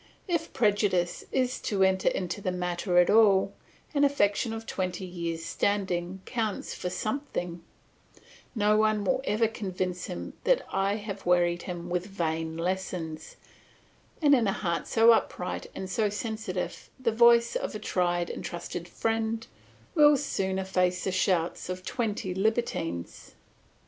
If prejudice is to enter into the matter at all, an affection of twenty years' standing counts for something; no one will ever convince him that I have wearied him with vain lessons; and in a heart so upright and so sensitive the voice of a tried and trusted friend will soon efface the shouts of twenty libertines.